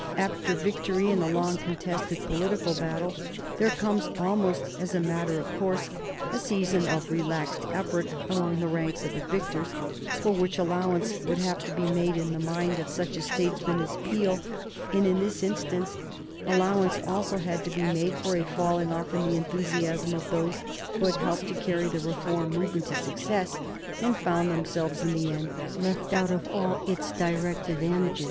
After victory in a long contested political battle there comes, almost as a matter of course, a season of relaxed effort among the ranks of the victors, for which allowance would have to be made in the mind of such a statesman as Peel, and, in this instance, allowance also had to be made for a falling off in the enthusiasm of those who had helped to carry the Reform movement to success, and found themselves in the end left out of all its direct advantages.